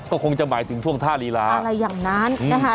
ก็คงจะหมายถึงช่วงท่าลีลาอะไรอย่างนั้นนะคะ